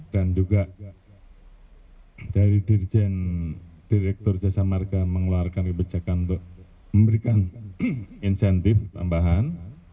dan juga dari dirjen direktur jasa marka mengeluarkan kebijakan untuk memberikan insentif tambahan